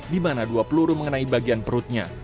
di mana dua peluru mengenai bagian perutnya